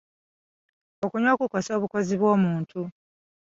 Okunywa kukosa obukozi bw'omuntu.